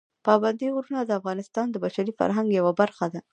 پابندي غرونه د افغانستان د بشري فرهنګ یوه برخه ده.